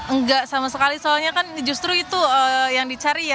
enggak sama sekali soalnya kan justru itu yang dicari ya